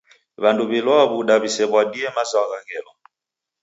W'andu w'ilwaa w'uda w'isew'adie mazwagha ghelwa.